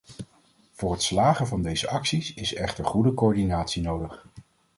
Voor het slagen van deze acties is echter goede coördinatie nodig.